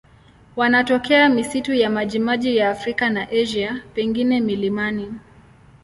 Wanatokea misitu ya majimaji ya Afrika na Asia, pengine milimani.